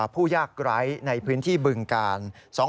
ผู้ยากไร้ในพื้นที่บึงกาล